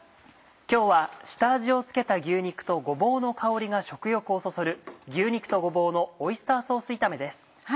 今日は下味を付けた牛肉とごぼうの香りが食欲をそそる「牛肉とごぼうのオイスターソース炒め」です。